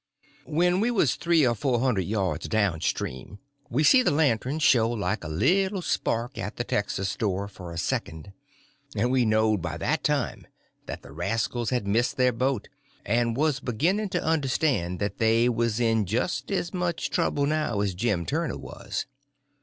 When we was three or four hundred yards down stream we see the lantern show like a little spark at the texas door for a second, and we knowed by that that the rascals had missed their boat, and was beginning to understand that they was in just as much trouble now as Jim Turner was.